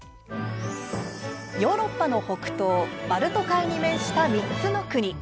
ヨーロッパの北東バルト海に面した３つの国